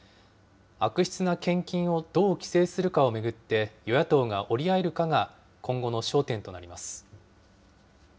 悪質な献金をどう規制するかを巡って、与野党が折り合えるかが、今後の焦点となります。